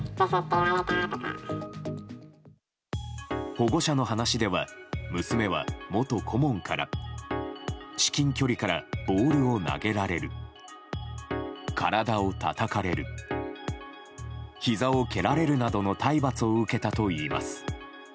保護者の話では娘は元顧問から至近距離からボールを投げられる体をたたかれるひざを蹴られるなどの体罰を受けたといいます。